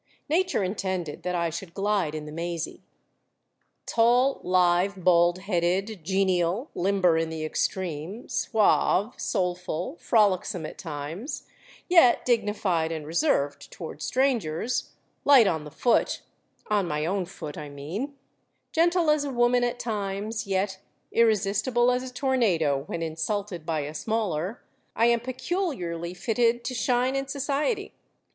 Nature intended that I should glide in the mazy. Tall, lithe, bald headed, genial, limber in the extreme, suave, soulful, frolicsome at times, yet dignified and reserved toward strangers, light on the foot on my own foot, I mean gentle as a woman at times, yet irresistible as a tornado when insulted by a smaller, I am peculiarly fitted to shine in society.